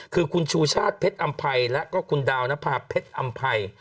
คือคุณชูชาติเพชรอำภัยแล้วก็คุณดาวนภาพเพชรอำภัย